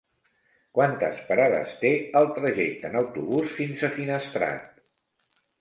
Quantes parades té el trajecte en autobús fins a Finestrat?